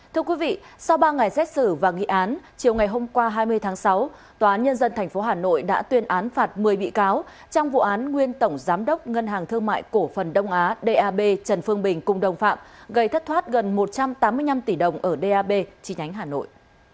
thưa quý vị sau ba ngày xét xử và nghị án chiều ngày hôm qua hai mươi tháng sáu tòa án nhân dân tp hà nội đã tuyên án phạt một mươi bị cáo trong vụ án nguyên tổng giám đốc ngân hàng thương mại cổ phần đông á dab trần phương bình cùng đồng phạm gây thất thoát gần một trăm tám mươi năm tỷ đồng ở dab chi nhánh hà nội